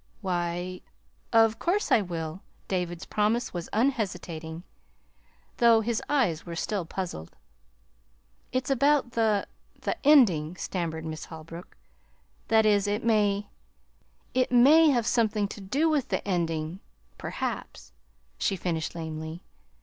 "Why, of course I will!" David's promise was unhesitating, though his eyes were still puzzled. "It's about the the ending," stammered Miss Holbrook. "That is, it may it may have something to do with the ending perhaps," she finished lamely.